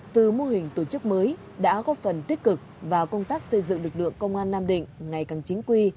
từ mô hình tổ chức mới đã góp phần tích cực vào công tác xây dựng lực lượng công an nam định ngày càng chính quy